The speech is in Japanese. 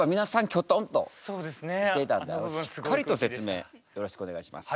キョトンとしていたんでしっかりと説明よろしくお願いします。